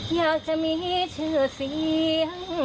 อยากจะมีชื่อเสียง